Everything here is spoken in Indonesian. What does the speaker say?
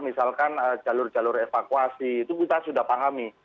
misalkan jalur jalur evakuasi itu kita sudah pahami